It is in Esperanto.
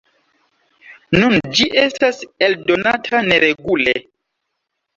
Nun ĝi estas eldonata neregule.